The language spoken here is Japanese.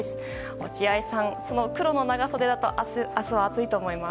落合さん、黒の長袖だと明日は暑いと思います。